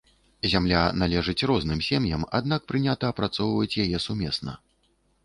Зямля належыць розным сем'ям, аднак прынята апрацоўваць яе сумесна.